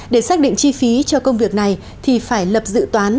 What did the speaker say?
để xác định chi phí cho công việc này thì phải lập dự toán